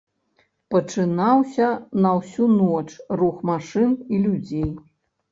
Пачынаўся на ўсю ноч рух машын і людзей.